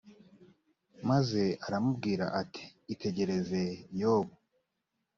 maze aramubwira ati itegereze yobu